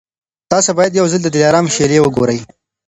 تاسي باید یو ځل د دلارام شېلې وګورئ.